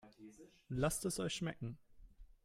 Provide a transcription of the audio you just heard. Lasst es euch schmecken!